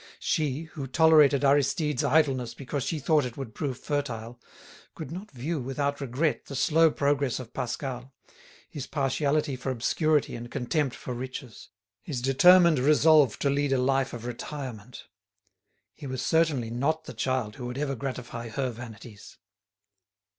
She, who tolerated Aristide's idleness because she thought it would prove fertile, could not view without regret the slow progress of Pascal, his partiality for obscurity and contempt for riches, his determined resolve to lead a life of retirement. He was certainly not the child who would ever gratify her vanities.